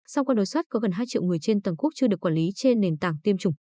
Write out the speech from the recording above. song qua đối soát có gần hai triệu người trên toàn quốc chưa được quản lý trên nền tảng tiêm chủng